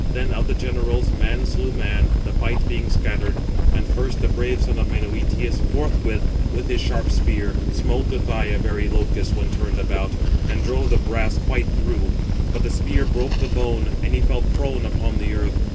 Then of the generals, man slew man, the fight being scattered; and first, the brave son of Menœtius forthwith with his sharp spear smote the thigh of Areïlochus when turned about, and drove the brass quite through: but the spear broke the bone, and he fell prone upon the earth.